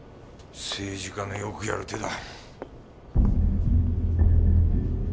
政治家のよくやる手だ。